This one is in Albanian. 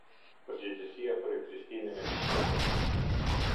Përgjegjësia për ekzistimin e kërkesës.